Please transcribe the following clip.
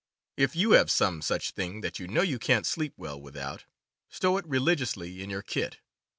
If you have some such thing that you know you can't sleep well without, stow it religiously in your kit.